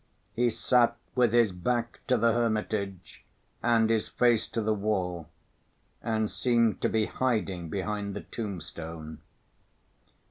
He sat with his back to the hermitage and his face to the wall, and seemed to be hiding behind the tombstone.